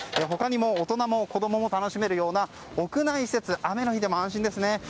他にも大人も子供も楽しめるような屋内施設、雨の日でも安心ですね。